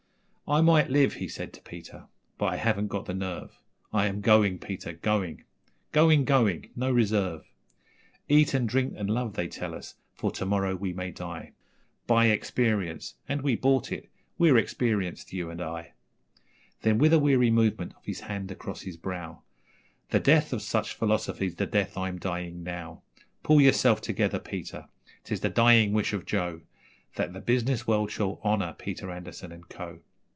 'I might live,' he said to Peter, 'but I haven't got the nerve I am going, Peter, going going, going no reserve. Eat and drink and love they tell us, for to morrow we may die, Buy experience and we bought it we're experienced, you and I.' Then, with a weary movement of his hand across his brow: 'The death of such philosophy's the death I'm dying now. Pull yourself together, Peter; 'tis the dying wish of Joe That the business world shall honour Peter Anderson and Co.